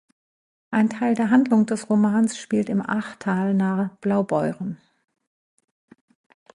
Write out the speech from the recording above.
Ein Teil der Handlung des Romans spielt im Achtal nahe Blaubeuren.